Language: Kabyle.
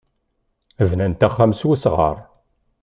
Bnant axxam s wesɣar.